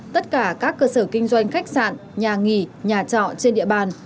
tất cả các cơ sở kinh doanh khách sạn nhà nghỉ nhà trọ trên địa bàn